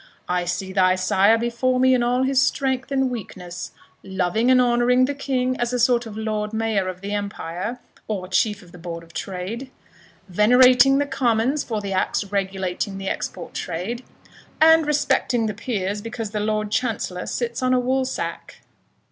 I see thy sire before me in all his strength and weakness; loving and honouring the King as a sort of lord mayor of the empire, or chief of the board of trade venerating the Commons, for the acts regulating the export trade and respecting the Peers, because the Lord Chancellor sits on a woolsack."